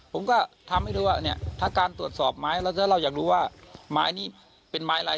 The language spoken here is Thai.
ผมก็ทำให้รู้ว่าเนี่ยถ้าการตรวจสอบไม้แล้วถ้าเราอยากรู้ว่าไม้นี่เป็นไม้อะไร